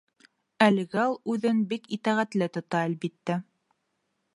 Әлегә ул үҙен бик итәғәтле тота, әлбиттә.